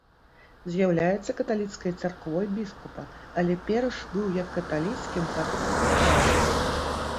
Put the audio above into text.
З'яўляецца каталіцкай царквой біскупа, але перш быў як каталіцкім, так і пратэстанцкім.